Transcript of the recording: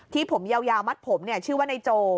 ผมยาวมัดผมชื่อว่านายโจ